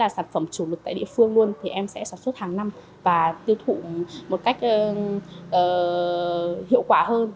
nó sẽ là sản phẩm chủ lực tại địa phương luôn thì em sẽ sản xuất hàng năm và tiêu thụ một cách hiệu quả hơn